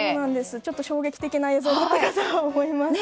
ちょっと衝撃的な映像かと思います。